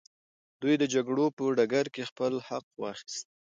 دوی د جګړې په ډګر کي خپل حق واخیست.